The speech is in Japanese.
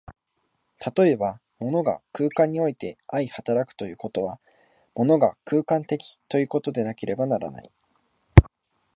例えば、物が空間において相働くということは、物が空間的ということでなければならない。